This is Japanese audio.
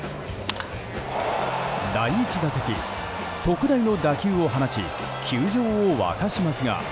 第１打席、特大の打球を放ち球場を沸かしますが。